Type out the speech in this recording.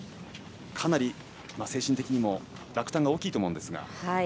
かなり精神的にも落胆が大きいと思いますが。